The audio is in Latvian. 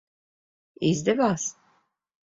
Izdevās?